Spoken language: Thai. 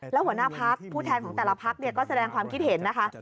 แล้วหัวหน้าพักผู้แทนของแต่ละพักก็แสดงความคิดเห็นนะคะ